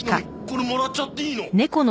これもらっちゃっていいの？